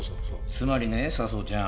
つまりね佐相ちゃん。